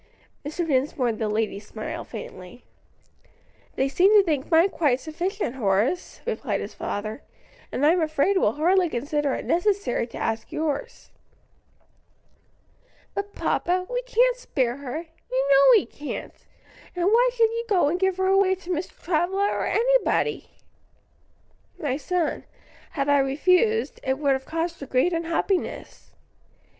Mr. Dinsmore and the ladies smiled faintly. "They seemed to think mine quite sufficient, Horace," replied his father, "and I'm afraid will hardly consider it necessary to ask yours." "But, papa, we can't spare her you know we can't and why should you go and give her away to Mr. Travilla or anybody?" "My son, had I refused, it would have caused her great unhappiness."